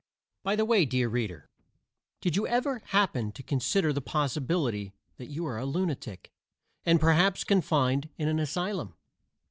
By the way, dear reader, did you ever happen to consider the possibility that you are a lunatic, and perhaps confined in an asylum?